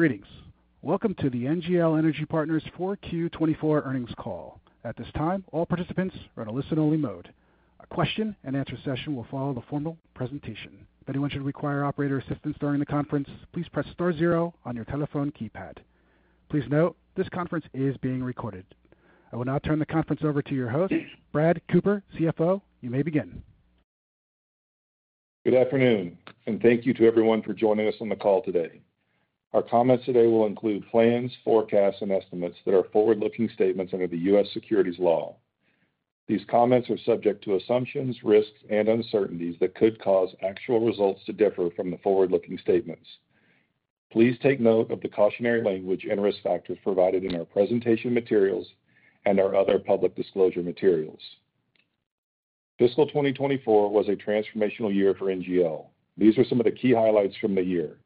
Greetings. Welcome to the NGL Energy Partners 4Q24 earnings call. At this time, all participants are in a listen-only mode. A question-and-answer session will follow the formal presentation. If anyone should require operator assistance during the conference, please press star zero on your telephone keypad. Please note, this conference is being recorded. I will now turn the conference over to your host, Brad Cooper, CFO. You may begin. Good afternoon, and thank you to everyone for joining us on the call today. Our comments today will include plans, forecasts, and estimates that are forward-looking statements under the U.S. securities law. These comments are subject to assumptions, risks, and uncertainties that could cause actual results to differ from the forward-looking statements. Please take note of the cautionary language and risk factors provided in our presentation materials and our other public disclosure materials. Fiscal 2024 was a transformational year for NGL. These are some of the key highlights from the year.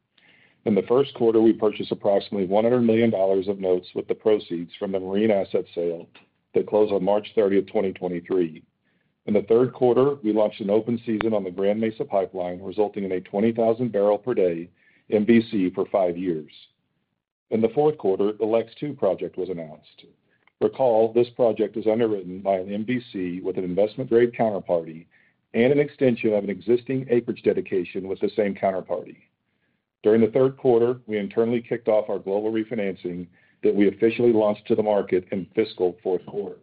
In the first quarter, we purchased approximately $100 million of notes with the proceeds from the marine asset sale that closed on March 30, 2023. In the third quarter, we launched an open season on the Grand Mesa Pipeline, resulting in a 20,000-barrel-per-day MVC for five years. In the fourth quarter, the LEX II project was announced. Recall, this project is underwritten by an MVC with an investment-grade counterparty and an extension of an existing acreage dedication with the same counterparty. During the third quarter, we internally kicked off our global refinancing that we officially launched to the market in fiscal fourth quarter.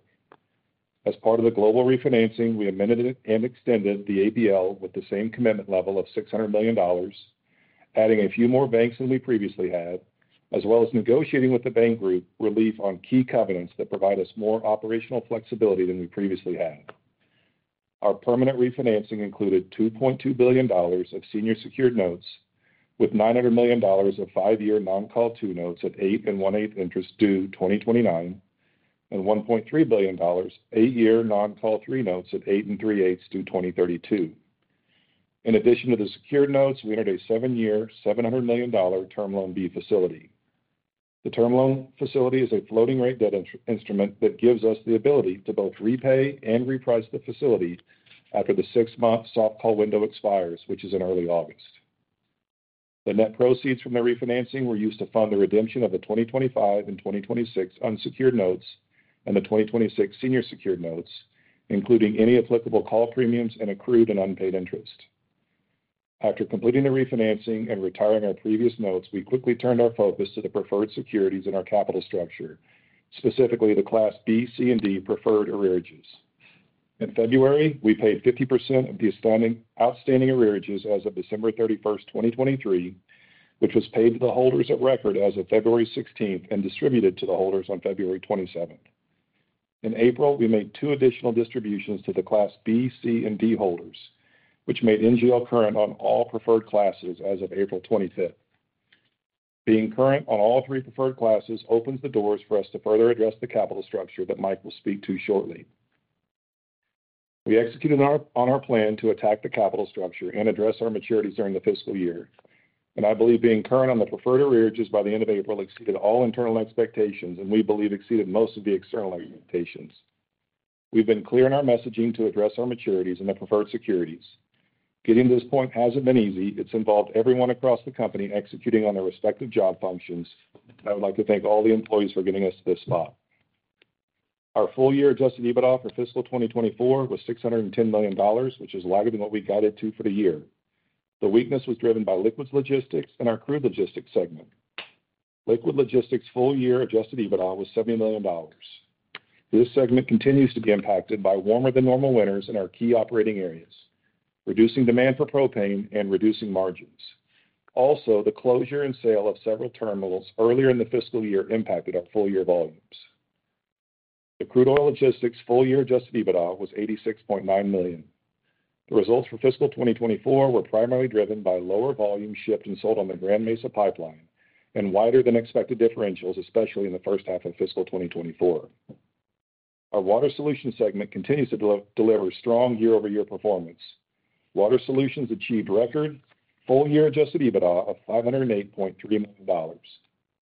As part of the global refinancing, we amended and extended the ABL with the same commitment level of $600 million, adding a few more banks than we previously had, as well as negotiating with the bank group relief on key covenants that provide us more operational flexibility than we previously had. Our permanent refinancing included $2.2 billion of senior secured notes with $900 million of five-year non-call two notes at 8.125% interest due 2029, and $1.3 billion, eight-year non-call three notes at 8.375% due 2032. In addition to the secured notes, we entered a seven-year, $700 million Term Loan B facility. The Term Loan B facility is a floating-rate debt instrument that gives us the ability to both repay and reprice the facility after the six-month soft call window expires, which is in early August. The net proceeds from the refinancing were used to fund the redemption of the 2025 and 2026 unsecured notes and the 2026 senior secured notes, including any applicable call premiums and accrued and unpaid interest. After completing the refinancing and retiring our previous notes, we quickly turned our focus to the preferred securities in our capital structure, specifically the Class B, C, and D Preferred arrearages. In February, we paid 50% of the outstanding arrearages as of December 31, 2023, which was paid to the holders of record as of February 16 and distributed to the holders on February 27. In April, we made two additional distributions to the Class B, C, and D holders, which made NGL current on all preferred classes as of April 25. Being current on all three preferred classes opens the doors for us to further address the capital structure that Mike will speak to shortly. We executed on our plan to attack the capital structure and address our maturities during the fiscal year. I believe being current on the preferred arrearages by the end of April exceeded all internal expectations, and we believe exceeded most of the external expectations. We've been clear in our messaging to address our maturities and the preferred securities. Getting to this point hasn't been easy. It's involved everyone across the company executing on their respective job functions. I would like to thank all the employees for getting us to this spot. Our full-year Adjusted EBITDA for fiscal 2024 was $610 million, which is lighter than what we guided to for the year. The weakness was driven by Liquids Logistics and our Crude Oil Logistics segment. Liquids Logistics' full-year Adjusted EBITDA was $70 million. This segment continues to be impacted by warmer-than-normal winters in our key operating areas, reducing demand for propane and reducing margins. Also, the closure and sale of several terminals earlier in the fiscal year impacted our full-year volumes. The Crude Oil Logistics' full-year Adjusted EBITDA was $86.9 million. The results for fiscal 2024 were primarily driven by lower volume shipped and sold on the Grand Mesa Pipeline and wider-than-expected differentials, especially in the first half of fiscal 2024. Our Water Solutions segment continues to deliver strong year-over-year performance. Water Solutions achieved record full-year Adjusted EBITDA of $508.3 million,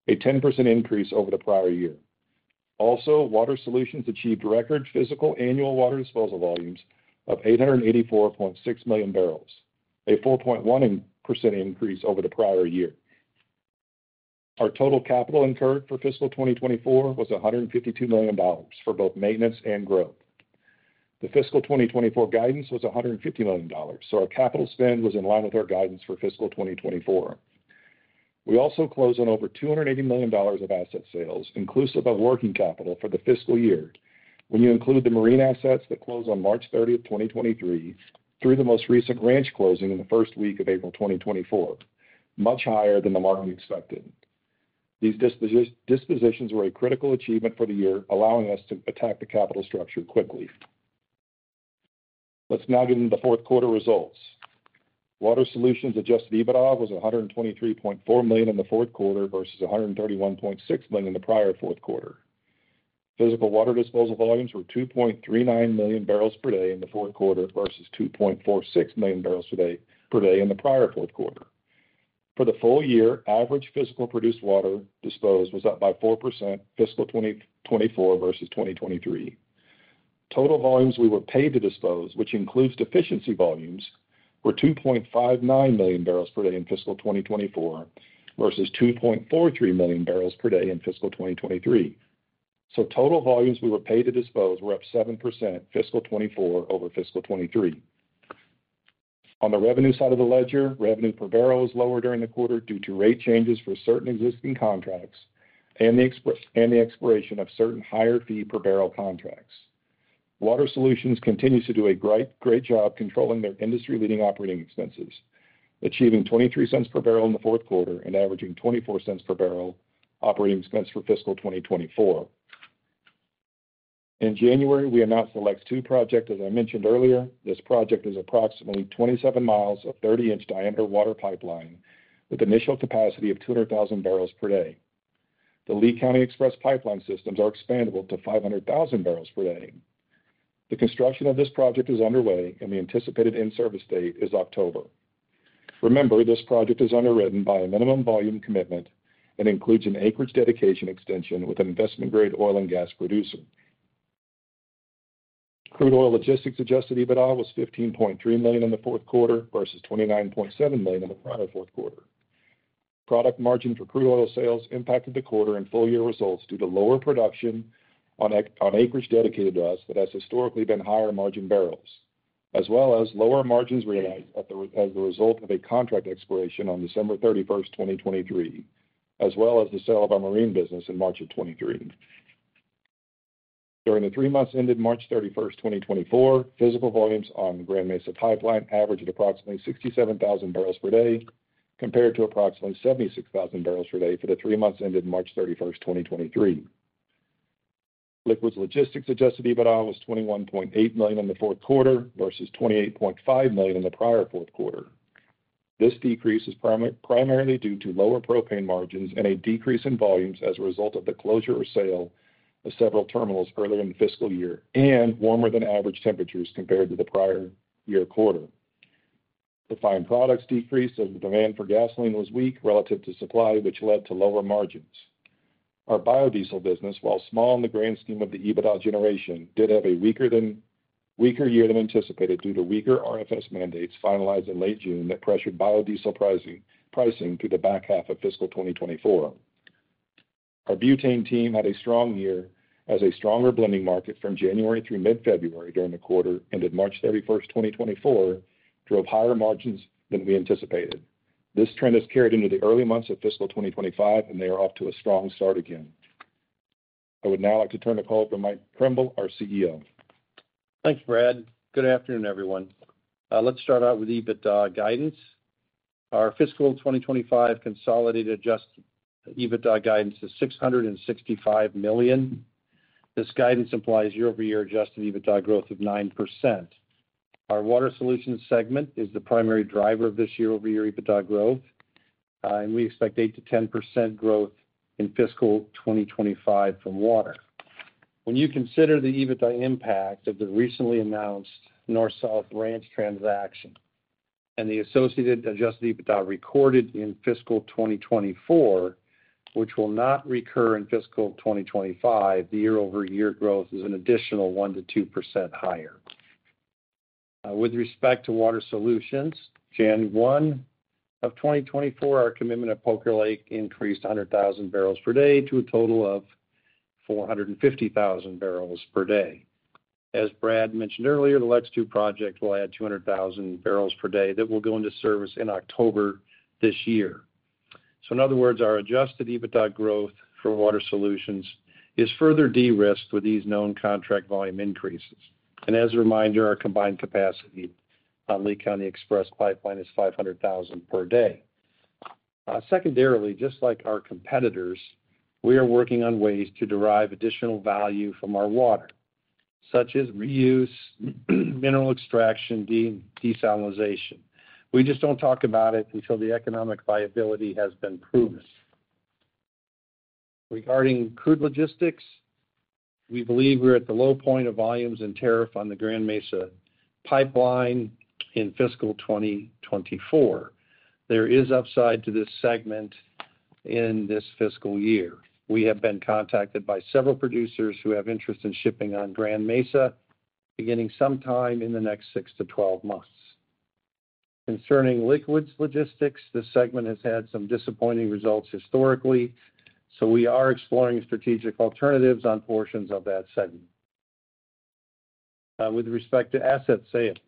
a 10% increase over the prior year. Also, Water Solutions achieved record physical annual water disposal volumes of 884.6 million barrels, a 4.1% increase over the prior year. Our total capital incurred for fiscal 2024 was $152 million for both maintenance and growth. The fiscal 2024 guidance was $150 million, so our capital spend was in line with our guidance for fiscal 2024. We also closed on over $280 million of asset sales, inclusive of working capital for the fiscal year, when you include the marine assets that closed on March 30, 2023, through the most recent ranch closing in the first week of April 2024, much higher than the market expected. These dispositions were a critical achievement for the year, allowing us to attack the capital structure quickly. Let's now get into the fourth quarter results. Water Solutions' Adjusted EBITDA was $123.4 million in the fourth quarter versus $131.6 million in the prior fourth quarter. Physical water disposal volumes were 2.39 million barrels per day in the fourth quarter versus 2.46 million barrels per day in the prior fourth quarter. For the full year, average physical produced water disposed was up by 4% fiscal 2024 versus 2023. Total volumes we were paid to dispose, which includes deficiency volumes, were 2.59 million barrels per day in fiscal 2024 versus 2.43 million barrels per day in fiscal 2023. So total volumes we were paid to dispose were up 7% fiscal 2024 over fiscal 2023. On the revenue side of the ledger, revenue per barrel was lower during the quarter due to rate changes for certain existing contracts and the expiration of certain higher fee per barrel contracts. Water Solutions continues to do a great job controlling their industry-leading operating expenses, achieving $0.23 per barrel in the fourth quarter and averaging $0.24 per barrel operating expense for fiscal 2024. In January, we announced the LEX II project, as I mentioned earlier. This project is approximately 27 miles of 30-inch diameter water pipeline with initial capacity of 200,000 barrels per day. The Lea County Express Pipeline systems are expandable to 500,000 barrels per day. The construction of this project is underway, and the anticipated in-service date is October. Remember, this project is underwritten by a minimum volume commitment and includes an acreage dedication extension with an investment-grade oil and gas producer. Crude Oil Logistics' Adjusted EBITDA was $15.3 million in the fourth quarter versus $29.7 million in the prior fourth quarter. Product margin for crude oil sales impacted the quarter and full-year results due to lower production on acreage dedicated to us that has historically been higher margin barrels, as well as lower margins realized as a result of a contract expiration on December 31, 2023, as well as the sale of our marine business in March 2023. During the three months ended March 31, 2024, physical volumes on the Grand Mesa Pipeline averaged approximately 67,000 barrels per day compared to approximately 76,000 barrels per day for the three months ended March 31, 2023. Liquids Logistics' Adjusted EBITDA was $21.8 million in the fourth quarter versus $28.5 million in the prior fourth quarter. This decrease is primarily due to lower propane margins and a decrease in volumes as a result of the closure or sale of several terminals earlier in the fiscal year and warmer-than-average temperatures compared to the prior year quarter. The refined products decreased as the demand for gasoline was weak relative to supply, which led to lower margins. Our biodiesel business, while small in the grand scheme of the EBITDA generation, did have a weaker year than anticipated due to weaker RFS mandates finalized in late June that pressured biodiesel pricing through the back half of fiscal 2024. Our butane team had a strong year as a stronger blending market from January through mid-February during the quarter ended March 31, 2024, drove higher margins than we anticipated. This trend has carried into the early months of fiscal 2025, and they are off to a strong start again. I would now like to turn the call over to Mike Krimbill, our CEO. Thanks, Brad. Good afternoon, everyone. Let's start out with EBITDA guidance. Our fiscal 2025 consolidated Adjusted EBITDA guidance is $665 million. This guidance implies year-over-year Adjusted EBITDA growth of 9%. Our Water Solutions segment is the primary driver of this year-over-year EBITDA growth, and we expect 8%-10% growth in fiscal 2025 from water. When you consider the EBITDA impact of the recently announced North-South ranch transaction and the associated Adjusted EBITDA recorded in fiscal 2024, which will not recur in fiscal 2025, the year-over-year growth is an additional 1%-2% higher. With respect to Water Solutions, January 1 of 2024, our commitment at Poker Lake increased 100,000 barrels per day to a total of 450,000 barrels per day. As Brad mentioned earlier, the LEX II project will add 200,000 barrels per day that will go into service in October this year. So, in other words, our Adjusted EBITDA growth for water solutions is further de-risked with these known contract volume increases. And as a reminder, our combined capacity on Lea County Express Pipeline is 500,000 per day. Secondarily, just like our competitors, we are working on ways to derive additional value from our water, such as reuse, mineral extraction, desalinization. We just don't talk about it until the economic viability has been proven. Regarding crude logistics, we believe we're at the low point of volumes and tariff on the Grand Mesa Pipeline in fiscal 2024. There is upside to this segment in this fiscal year. We have been contacted by several producers who have interest in shipping on Grand Mesa beginning sometime in the next 6 to 12 months. Concerning liquids logistics, the segment has had some disappointing results historically, so we are exploring strategic alternatives on portions of that segment. With respect to asset sales,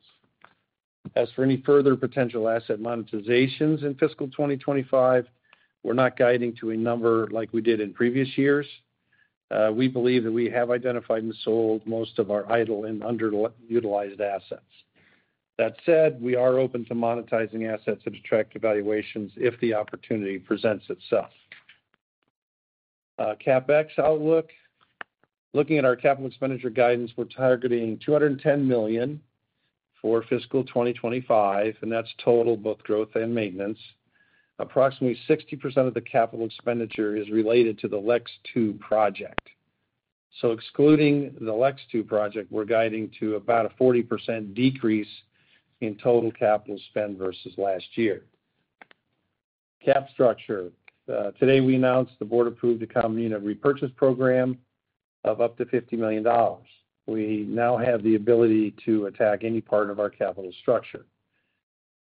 as for any further potential asset monetizations in fiscal 2025, we're not guiding to a number like we did in previous years. We believe that we have identified and sold most of our idle and underutilized assets. That said, we are open to monetizing assets and attractive valuations if the opportunity presents itself. CapEx outlook: looking at our capital expenditure guidance, we're targeting $210 million for fiscal 2025, and that's total both growth and maintenance. Approximately 60% of the capital expenditure is related to the LEX II project. So, excluding the LEX II project, we're guiding to about a 40% decrease in total capital spend versus last year. Capital structure: today, we announced the board-approved common unit repurchase program of up to $50 million. We now have the ability to repurchase any part of our capital structure.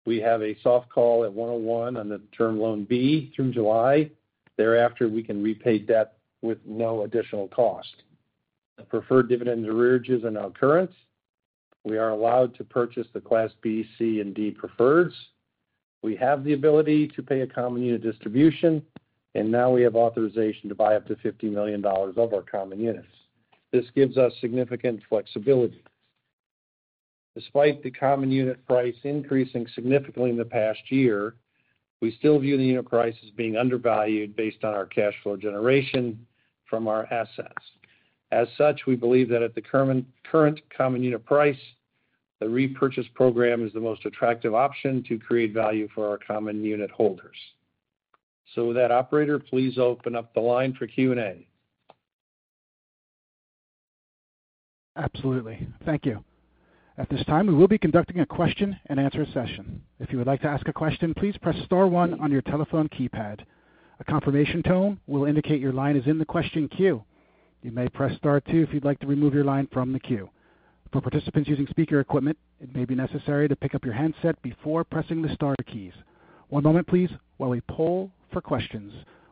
We have a soft call at 101 on the Term Loan B through July. Thereafter, we can repay debt with no additional cost. Preferred dividend arrearages are now current. We are allowed to purchase the Class B, C, and D preferreds. We have the ability to pay a common unit distribution, and now we have authorization to buy up to $50 million of our common units. This gives us significant flexibility. Despite the common unit price increasing significantly in the past year, we still view the unit price as being undervalued based on our cash flow generation from our assets. As such, we believe that at the current common unit price, the repurchase program is the most attractive option to create value for our common unit holders. So, with that, operator, please open up the line for Q&A. Absolutely. Thank you. At this time, we will be conducting a question-and-answer session. If you would like to ask a question, please press star one on your telephone keypad. A confirmation tone will indicate your line is in the question queue. You may press star two if you'd like to remove your line from the queue. For participants using speaker equipment, it may be necessary to pick up your handset before pressing the star keys. One moment, please, while we poll for questions.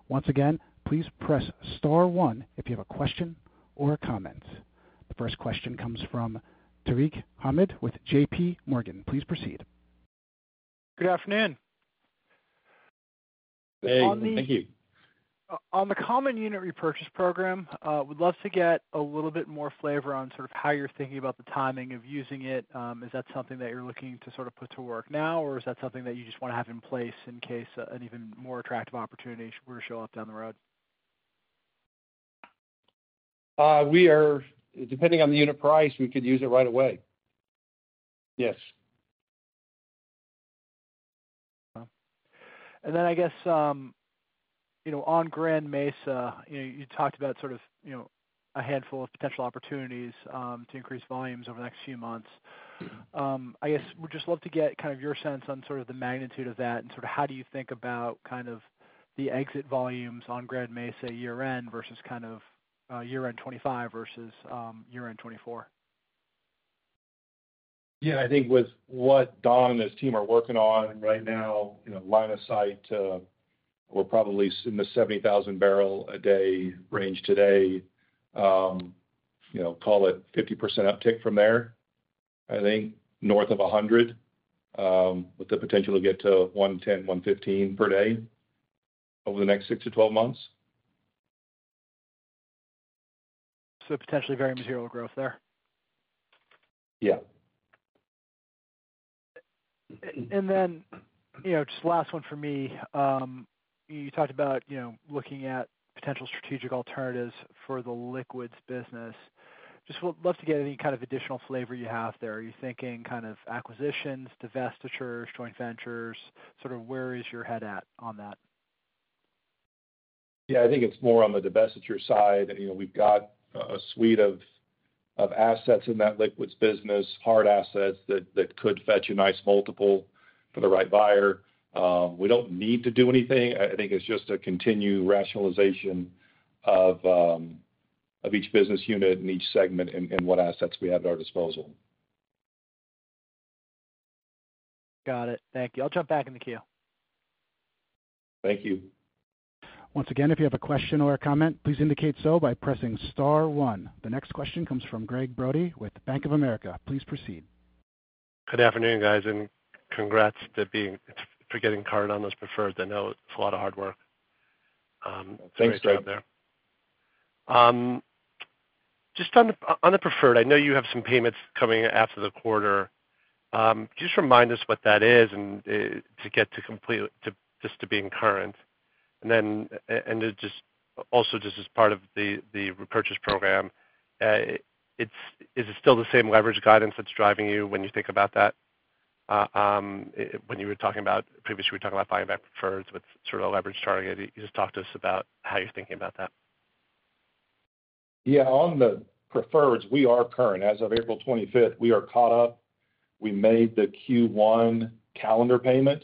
Once again, please press star one if you have a question or a comment. The first question comes from Tarek Hamid with JP Morgan. Please proceed. Good afternoon. Hey. On the. Thank you. On the common unit repurchase program, we'd love to get a little bit more flavor on sort of how you're thinking about the timing of using it. Is that something that you're looking to sort of put to work now, or is that something that you just want to have in place in case an even more attractive opportunity were to show up down the road? Depending on the unit price, we could use it right away. Yes. Okay. Then, I guess, on Grand Mesa, you talked about sort of a handful of potential opportunities to increase volumes over the next few months. I guess we'd just love to get kind of your sense on sort of the magnitude of that and sort of how do you think about kind of the exit volumes on Grand Mesa year-end versus kind of year-end 2025 versus year-end 2024? Yeah. I think with what Don and his team are working on right now, line of sight, we're probably in the 70,000 barrel a day range today. Call it 50% uptick from there, I think, north of 100, with the potential to get to 110, 115 per day over the next 6-12 months. So potentially very material growth there? Yeah. And then just last one for me. You talked about looking at potential strategic alternatives for the liquids business. Just would love to get any kind of additional flavor you have there. Are you thinking kind of acquisitions, divestitures, joint ventures? Sort of where is your head at on that? Yeah. I think it's more on the divestiture side. We've got a suite of assets in that liquids business, hard assets that could fetch a nice multiple for the right buyer. We don't need to do anything. I think it's just a continued rationalization of each business unit and each segment and what assets we have at our disposal. Got it. Thank you. I'll jump back in the queue. Thank you. Once again, if you have a question or a comment, please indicate so by pressing star one. The next question comes from Gregg Brody with Bank of America. Please proceed. Good afternoon, guys, and congrats for getting cleared on those preferred. I know it's a lot of hard work. Thanks, Greg. Very hard there. Just on the preferred, I know you have some payments coming after the quarter. Just remind us what that is and to get to just being current. And then just also just as part of the repurchase program, is it still the same leverage guidance that's driving you when you think about that? When you were talking about previously, we were talking about buying back preferreds with sort of a leverage target. You just talked to us about how you're thinking about that. Yeah. On the preferreds, we are current. As of April 25th, we are caught up. We made the Q1 calendar payment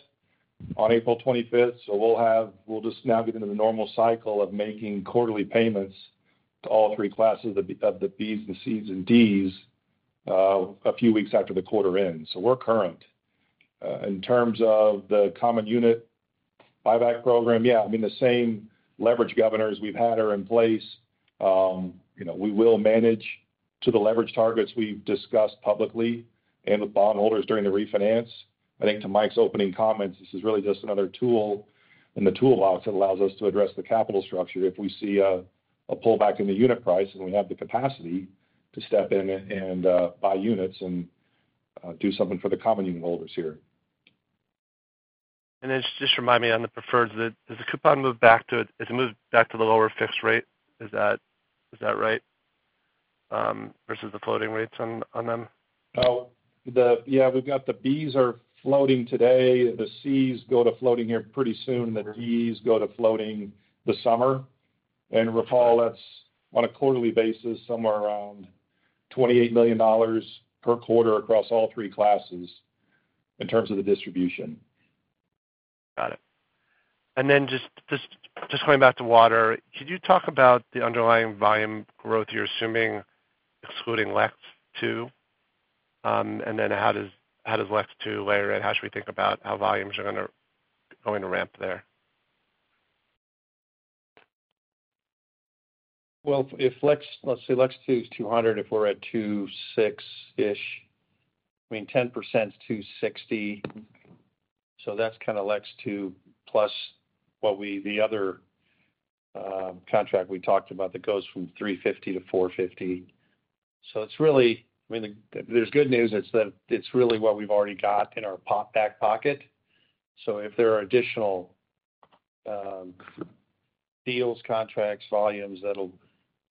on April 25th, so we'll just now get into the normal cycle of making quarterly payments to all three classes of the Bs, the Cs, and Ds a few weeks after the quarter ends. So we're current. In terms of the common unit buyback program, yeah, I mean, the same leverage governors we've had are in place. We will manage to the leverage targets we've discussed publicly and with bondholders during the refinance. I think to Mike's opening comments, this is really just another tool in the toolbox that allows us to address the capital structure if we see a pullback in the unit price and we have the capacity to step in and buy units and do something for the common unit holders here. Just remind me on the preferreds. Is the coupon moved back to it has moved back to the lower fixed rate? Is that right versus the floating rates on them? Yeah. We've got the Bs are floating today. The Cs go to floating here pretty soon. The Ds go to floating this summer. And recall, that's on a quarterly basis, somewhere around $28 million per quarter across all three classes in terms of the distribution. Got it. And then just coming back to water, could you talk about the underlying volume growth you're assuming, excluding LEX II? And then how does LEX II layer in? How should we think about how volumes are going to ramp there? Well, let's say LEX II is 200 if we're at 26-ish. I mean, 10% is 260. So that's kind of LEX II plus the other contract we talked about that goes from 350-450. So I mean, there's good news. It's really what we've already got in our back pocket. So if there are additional deals, contracts, volumes,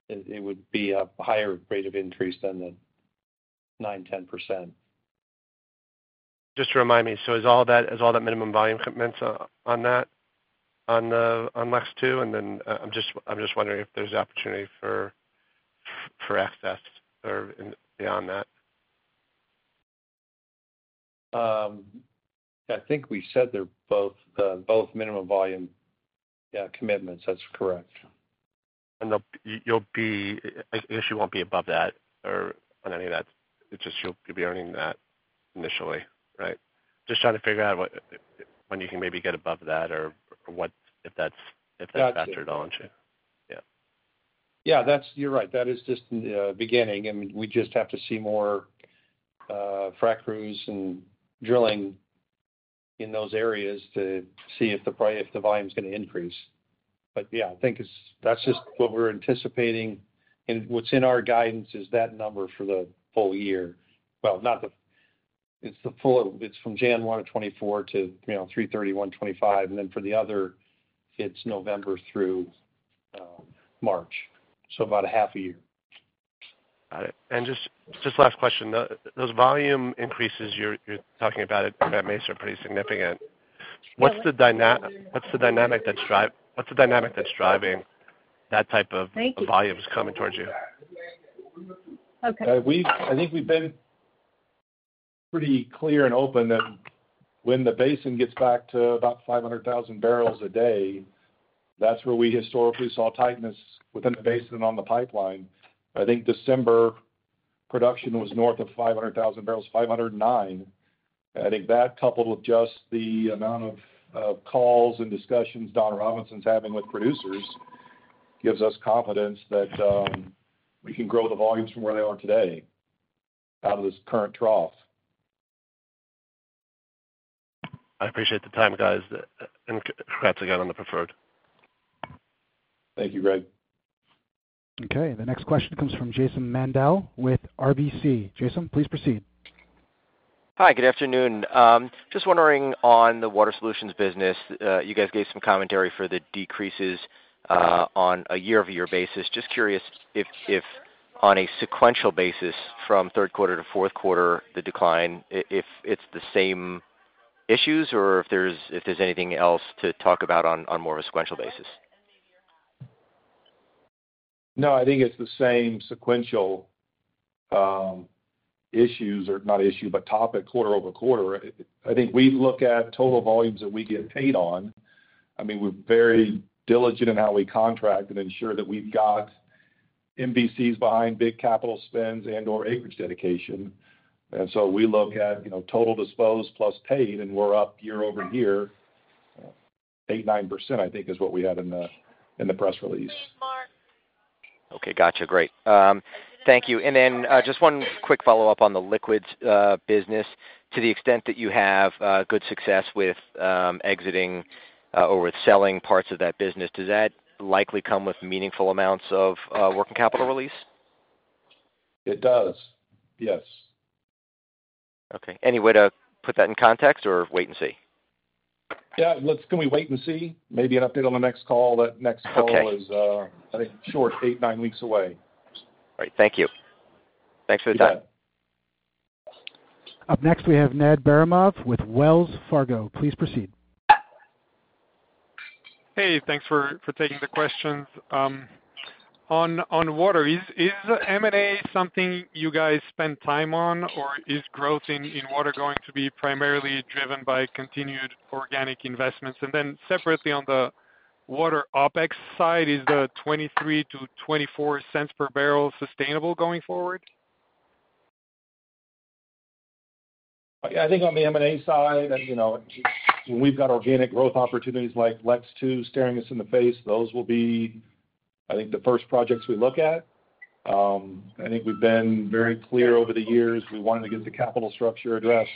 it would be a higher rate of increase than the 9%-10%. Just to remind me, so is all that minimum volume commitments on that, on LEX II? And then I'm just wondering if there's opportunity for excess or beyond that. I think we said they're both minimum volume commitments. That's correct. I guess you won't be above that or on any of that. It's just you'll be earning that initially, right? Just trying to figure out when you can maybe get above that or if that's factored onto. Yeah. Yeah. You're right. That is just the beginning. I mean, we just have to see more frack crews and drilling in those areas to see if the volume is going to increase. But yeah, I think that's just what we're anticipating. And what's in our guidance is that number for the full year. Well, it's from January 2024 to 3/31/2025. And then for the other, it's November through March. So about a half a year. Got it. And just last question. Those volume increases you're talking about at Grand Mesa are pretty significant. What's the dynamic that's driving that type of volumes coming towards you? I think we've been pretty clear and open that when the basin gets back to about 500,000 barrels a day, that's where we historically saw tightness within the basin and on the pipeline. I think December production was north of 500,000 barrels, 509,000. I think that, coupled with just the amount of calls and discussions Don Robinson's having with producers, gives us confidence that we can grow the volumes from where they are today out of this current trough. I appreciate the time, guys. Congrats again on the preferred. Thank you, Greg. Okay. The next question comes from Jason Mandel with RBC. Jason, please proceed. Hi. Good afternoon. Just wondering on the water solutions business, you guys gave some commentary for the decreases on a year-over-year basis. Just curious if on a sequential basis from third quarter to fourth quarter, the decline, if it's the same issues or if there's anything else to talk about on more of a sequential basis? No, I think it's the same sequential issues or not issue, but topic quarter-over-quarter. I think we look at total volumes that we get paid on. I mean, we're very diligent in how we contract and ensure that we've got MVCs behind big capital spends and/or acreage dedication. And so we look at total disposed plus paid, and we're up year-over-year. 8%-9%, I think, is what we had in the press release. Okay. Gotcha. Great. Thank you. And then just one quick follow-up on the liquids business. To the extent that you have good success with exiting or with selling parts of that business, does that likely come with meaningful amounts of working capital release? It does. Yes. Okay. Any way to put that in context or wait and see? Yeah. Can we wait and see? Maybe an update on the next call. That next call is, I think, short, eight, nine weeks away. All right. Thank you. Thanks for the time. You bet. Up next, we have Ned Baramov with Wells Fargo. Please proceed. Hey. Thanks for taking the questions. On water, is M&A something you guys spend time on, or is growth in water going to be primarily driven by continued organic investments? And then separately, on the water OPEX side, is the $0.23-$0.24 per barrel sustainable going forward? Yeah. I think on the M&A side, when we've got organic growth opportunities like LEX II staring us in the face, those will be, I think, the first projects we look at. I think we've been very clear over the years. We wanted to get the capital structure addressed.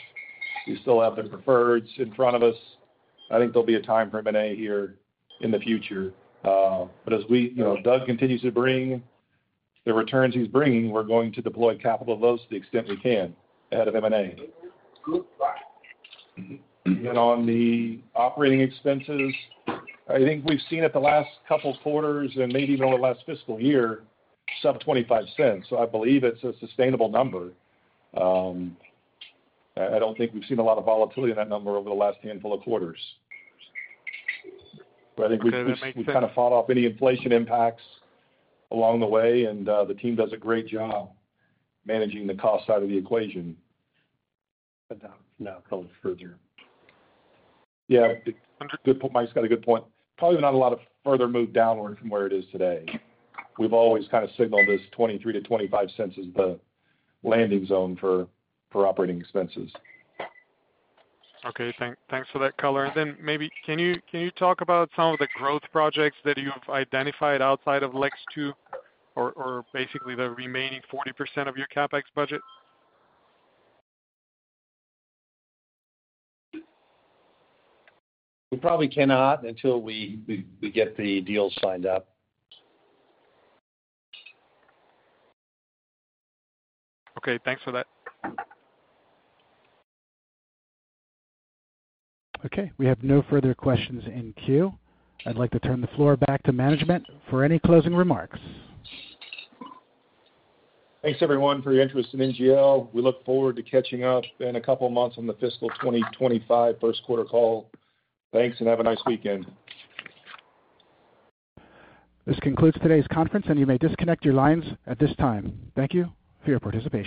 We still have the preferreds in front of us. I think there'll be a time for M&A here in the future. But as Doug continues to bring the returns he's bringing, we're going to deploy capital of those to the extent we can ahead of M&A. And on the operating expenses, I think we've seen it the last couple of quarters and maybe even over the last fiscal year, sub-$0.25. So I believe it's a sustainable number. I don't think we've seen a lot of volatility in that number over the last handful of quarters. But I think we've kind of fought off any inflation impacts along the way, and the team does a great job managing the cost side of the equation. No. Don't go further. Yeah. Mike's got a good point. Probably not a lot of further move downward from where it is today. We've always kind of signaled this $0.23-$0.25 as the landing zone for operating expenses. Okay. Thanks for that color. And then maybe can you talk about some of the growth projects that you've identified outside of LEX II or basically the remaining 40% of your CapEx budget? We probably cannot until we get the deals signed up. Okay. Thanks for that. Okay. We have no further questions in queue. I'd like to turn the floor back to management for any closing remarks. Thanks, everyone, for your interest in NGL. We look forward to catching up in a couple of months on the fiscal 2025 first quarter call. Thanks, and have a nice weekend. This concludes today's conference, and you may disconnect your lines at this time. Thank you for your participation.